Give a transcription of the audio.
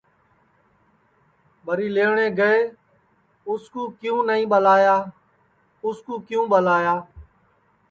ٻری لئیوٹؔے گے اُس کُو کیوں نائی ٻلایا یا اُس کُو کیوں ٻلایا